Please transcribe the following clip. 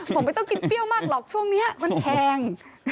ผมไม่ต้องกินเปรี้ยวมากหรอกช่วงนี้มันแพง